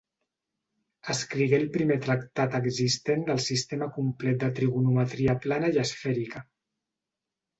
Escrigué el primer tractat existent del sistema complet de trigonometria plana i esfèrica.